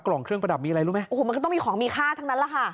กล่องเครื่องประดับมีอะไรรู้ไหมโอ้โหมันก็ต้องมีของมีค่าทั้งนั้นแหละค่ะ